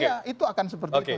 ya itu akan seperti itu